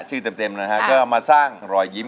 เต็มนะฮะก็มาสร้างรอยยิ้ม